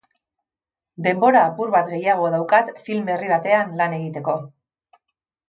Denbora apur bat gehiago daukat film berri batean lan egiteko.